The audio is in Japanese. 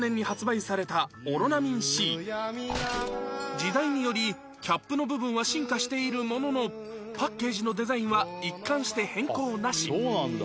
時代によりキャップの部分は進化しているもののパッケージのデザインは一貫して変更なし